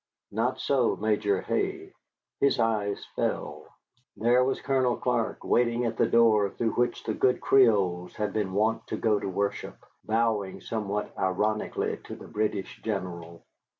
Not so Major Hay. His eyes fell. There was Colonel Clark waiting at the door through which the good Creoles had been wont to go to worship, bowing somewhat ironically to the British General.